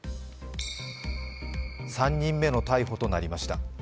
３人目の逮捕となりました。